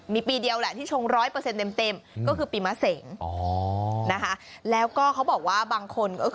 มีปีเดียวแหละที่ชงร้อยเปอร์เซ็นต์เต็มก็คือปีมะเสง